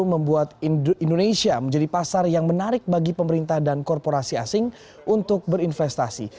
membuat indonesia menjadi pasar yang menarik bagi pemerintah dan korporasi asing untuk berinvestasi